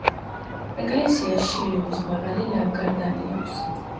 ეკლესიას შირიმის მაღალი ლავგარდანი აქვს.